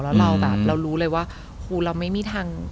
แล้วเรารู้เลยว่าคุณเราไม่มีทางทำได้